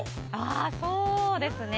◆そうですね。